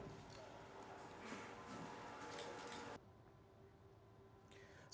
pemukulan pertama adi armando